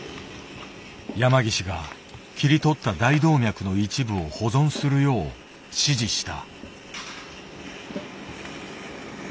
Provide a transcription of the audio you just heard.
山岸が切り取った大動脈の一部を保存するよう指示した。